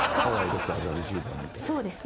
そうですね。